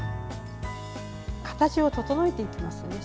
形を整えていきますね。